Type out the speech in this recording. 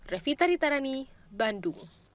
revita ditarani bandung